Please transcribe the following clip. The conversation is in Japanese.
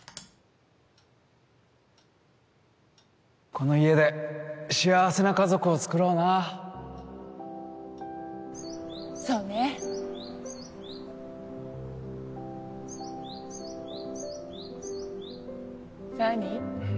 この家で幸せな家族をつくろうなそうね何？